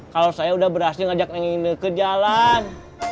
kalau saya udah berhasil ngajak neng ineke jalan